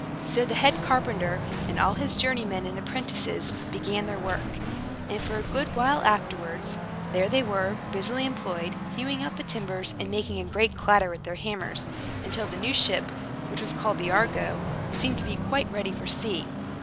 So the head carpenter and all his journeymen and apprentices began their work; and for a good while afterwards, there they were, busily employed, hewing out the timbers, and making a great clatter with their hammers; until the new ship, which was called the Argo, seemed to be quite ready for sea.